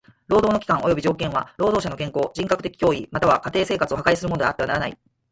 労働の期間および条件は労働者の健康、人格的威厳または家庭生活を破壊するものであってはならない。